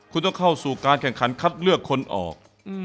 คุณต้องเข้าสู่การแข่งขันคัดเลือกคนออก